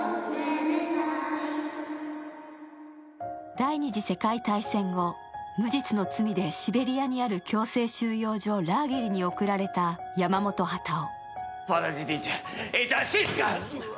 第二次世界大戦後無実の罪でシベリアにある強制収容所、ラーゲリに送られた山本幡男。